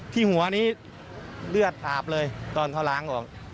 ที่หัวนี้เลือดอาบเลยตอนเขาล้างออก